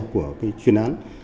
của cái chuyên án